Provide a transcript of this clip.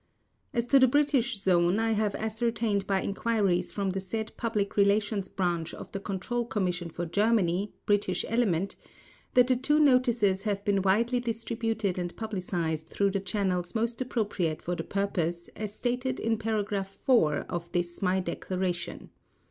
As to the British Zone, I have ascertained by enquiries from the said Public Relations Branch of the Control Commission for Germany (British Element) that the two notices have been widely distributed and publicised through the channels most appropriate for the purpose as stated in paragraph 4 of this my declaration.